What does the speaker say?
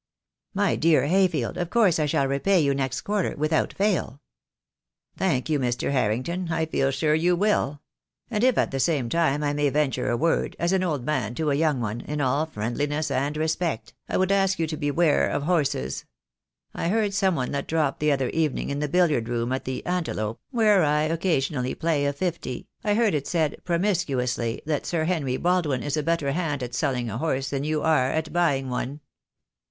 "My dear Hayfield, of course I shall repay you next quarter, without fail." "Thank you, Mr. Harrington, I feel sure you will. And if at the same time I may venture a word, as an old man to a young one, in all friendliness and respect, I would ask you to beware of horses. I heard some one let drop the other evening in the billiard room at the 'Antelope,' where I occasionally play a fifty, I heard it said, promiscuously, that Sir Henry Baldwin is a better hand at selling a horse than you are at buying one."